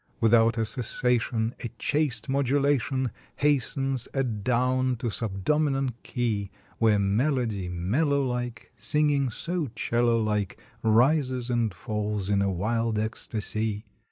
Without a cessation A chaste modulation Hastens adown to subdominant key, Where melody mellow like Singing so 'cello like Rises and falls in a wild ecstasy.